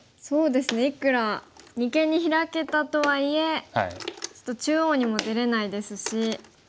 そうですねいくら二間にヒラけたとはいえちょっと中央にも出れないですし。